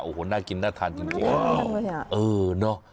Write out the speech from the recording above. โอ้โหน่ากินน่าทานจริงอะไรรับเอ๊ะ